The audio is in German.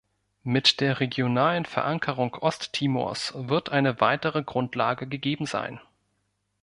Mit der regionalen Verankerung Osttimors wird eine weitere Grundlage gegeben sein.